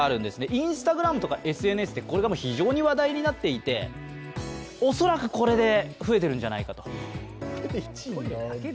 ＩｎｓｔａｇｒａｍとかＳＮＳで非常に話題になっていて恐らくこれで増えてるんじゃないかと。